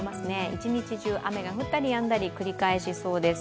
一日中、雨が降ったりやんだり繰り返しそうです。